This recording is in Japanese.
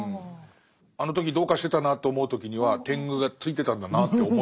あの時どうかしてたなと思う時には天狗がついてたんだなって思いたいみたいな。